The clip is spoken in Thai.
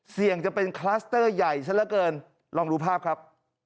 เสี่ยงจะเป็นคลัสเตอร์ใหญ่ซะละเกินลองดูภาพครับ